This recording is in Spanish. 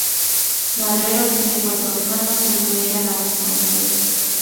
Marrero tiene cuatro hermanos, siendo ella la única mujer.